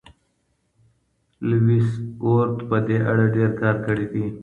لویس ورت په دې اړه ډېر کار کړی دی.